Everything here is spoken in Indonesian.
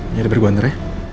jadi berguan deh